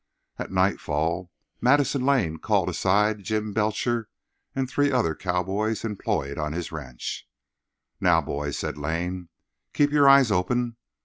At nightfall Madison Lane called aside Jim Belcher and three other cowboys employed on his ranch. "Now, boys," said Lane, "keep your eyes open.